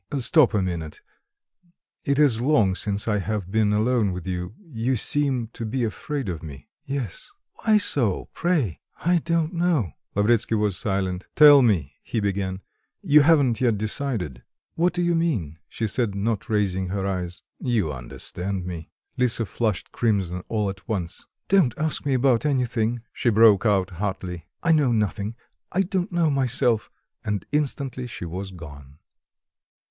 "Stop a minute, it is so long since I have been alone with you. You seem to be afraid of me." "Yes." "Why so, pray?" "I don't know." Lavretsky was silent. "Tell me," he began, "you haven't yet decided?" "What do you mean?" she said, not raising her eyes. "You understand me." Lisa flushed crimson all at once. "Don't ask me about anything!" she broke out hotly. "I know nothing; I don't know myself." And instantly she was gone.